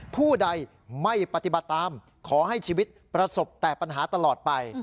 ผู้ใดไม่ปฏิบัติตามขอให้ชีวิตประสบแต่ปัญหาตลอดไป